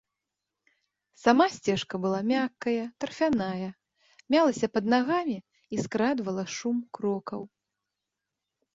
Сама сцежка была мяккая, тарфяная, мялася пад нагамі і скрадвала шум крокаў.